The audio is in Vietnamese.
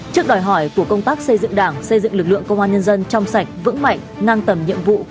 trước đòi hỏi của công tác xây dựng đảng xây dựng lực lượng công an nhân dân trong sạch vững mạnh ngang tầm nhiệm vụ